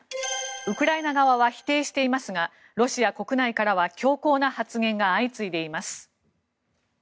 ウクライナ側は否定していますがロシア国内からは強硬な発言が相次いでいます。